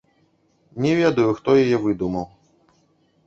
Не ведаю, хто яе выдумаў.